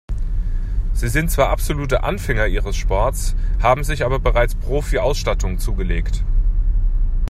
Sie sind zwar absolute Anfänger ihres Sports, haben sich aber bereits Profi-Ausstattung zugelegt.